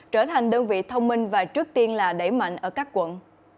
trở thành đơn vị thông minh và trước tiên là đẩy mạnh ở các quận